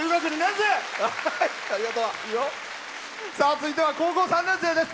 続いては高校３年生です。